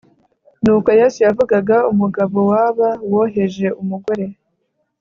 ni uko yesu yavugaga umugabo waba woheje umugore